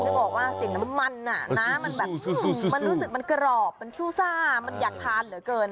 นึกออกว่าเสียงน้ำมันมันแบบมันรู้สึกมันกรอบมันซู่ซ่ามันอยากทานเหลือเกิน